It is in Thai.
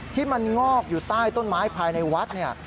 ที่มันงอกอยู่ใต้ต้นไม้ภายในวัดเนี่ย